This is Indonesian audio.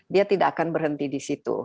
dia tidak akan berhenti di situ